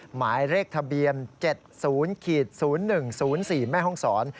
หมายเลขทะเบียน๗๐๐๑๐๑๐๔แม่ห้องศร